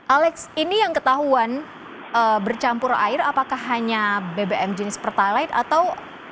alex ini yang ketahuan bercampur air apakah hanya bbm jenis pertalite atau